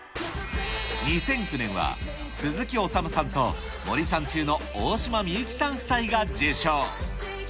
２００９年は、鈴木おさむさんと森三中の大島美幸さん夫妻が受賞。